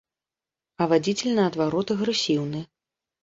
А вадзіцель наадварот агрэсіўны.